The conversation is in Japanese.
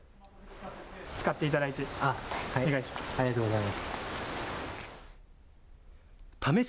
使っていただいて、お願いします。